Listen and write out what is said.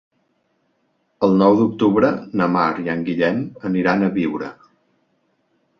El nou d'octubre na Mar i en Guillem aniran a Biure.